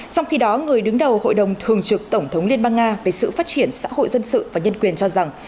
trong khi đó người đứng đầu hội đồng thường trực tổng thống liên bang nga về sự phát triển xã hội dân sự và nhân quyền cho rằng